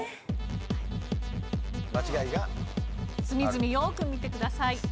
隅々よく見てください。